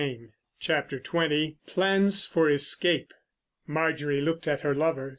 CHAPTER XX. PLANS FOR ESCAPE. Marjorie looked at her lover.